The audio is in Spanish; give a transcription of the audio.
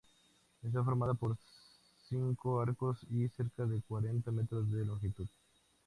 Está formado por cinco arcos y cerca de cuarenta metros de longitud.